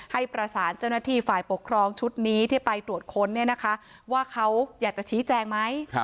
ให้ประสานเจ้าหน้าที่ฝ่ายปกครองชุดนี้ที่ไปตรวจค้นว่าเขาอยากจะชี้แจงไหม